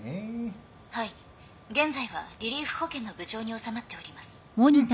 はい現在はリリーフ保険の部長に収まっております。